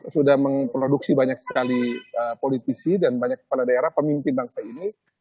sudah memproduksi banyak sekali politisi dan banyak kepala daerah pemimpin bangsa ini